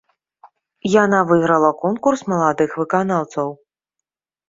Яна выйграла конкурс маладых выканаўцаў.